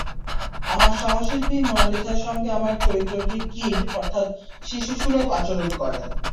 আমার সহশিল্পী মোনালিসার সঙ্গে আমার চরিত্রটি কিড অর্থাৎ শিশুসুলভ আচরণ করে।